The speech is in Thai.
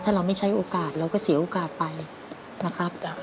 ถ้าเราไม่ใช้โอกาสเราก็เสียโอกาสไปนะครับ